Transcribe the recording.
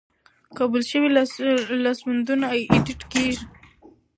قبول شوي لاسوندونه ایډیټ کیږي.